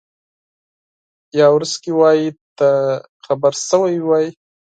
یاورسکي وایي که ته خبر شوی وای.